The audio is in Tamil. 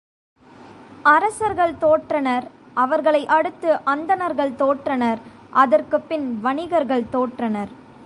அரசர்கள் தோற்றனர் அவர்களை அடுத்து அந்தணர்கள் தோற்றனர் அதற்குப்பின் வணிகர்கள் தோற்றனர்.